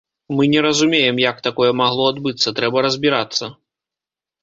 Мы не разумеем, як такое магло адбыцца, трэба разбірацца.